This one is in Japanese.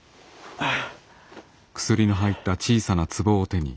はあ。